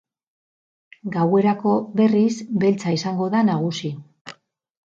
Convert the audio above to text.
Gauerako, berriz, beltza izango da nagusi.